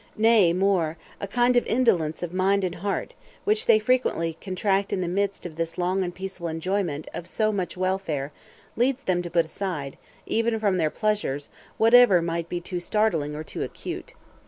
Nay more, a kind of indolence of mind and heart, which they frequently contract in the midst of this long and peaceful enjoyment of so much welfare, leads them to put aside, even from their pleasures, whatever might be too startling or too acute.